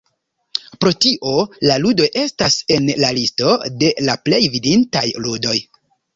Pro tio, la ludoj estas en la listo de la plej venditaj ludoj.